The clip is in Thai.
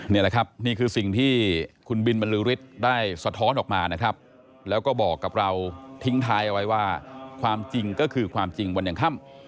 นี่แหละครับนี่คือสิ่งที่คุณบินบรรลือฤทธิ์ได้สะท้อนออกมานะครับแล้วก็บอกกับเราทิ้งท้ายเอาไว้ว่าความจริงก็คือความจริงวันยังค่ำ